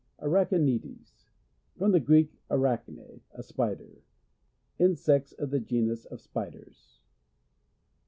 Arachnides. — From the Greek, ara kne,a. spider. Insects of the genus of spiders.